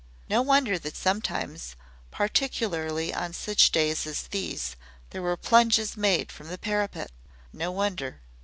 No wonder that sometimes, particularly on such days as these, there were plunges made from the parapet no wonder.